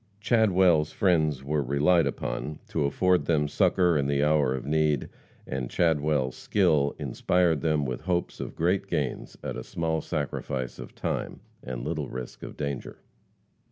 Chadwell's friends were relied upon to afford them succor in the hour of need, and Chadwell's skill inspired them with hopes of great gains, at a small sacrifice of time and little risk of danger.